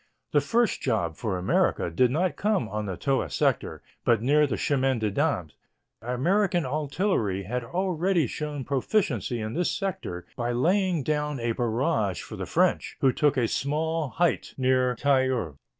The first job for America did not come on the Toul sector, but near the Chemin des Dames. American artillery had already shown proficiency in this sector by laying down a barrage for the French, who took a small height near Tahure.